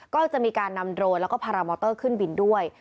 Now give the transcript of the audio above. ก็จะมีการนำโดรนแล้วก็พารามอเตอร์ขึ้นบินด้วย